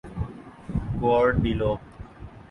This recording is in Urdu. گواڈیلوپ